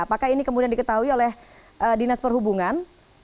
apakah ini kemudian diketahui oleh dinas perhubungan